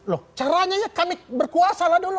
loh caranya ya kami berkuasa lah dulu